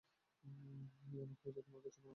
এই, অনেক হয়েছে তোমার কাজ, এখন আমাকে ঘুরতে নিয়ে যাও।